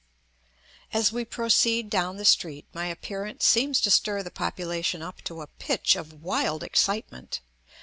As we proceed down the street my appearance seems to stir the population up to a pitch of wild excitement.